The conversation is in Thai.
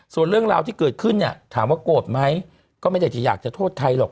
ส่วนเรื่องราวที่เกิดขึ้นเนี่ยถามว่าโกรธไหมก็ไม่ได้จะอยากจะโทษใครหรอก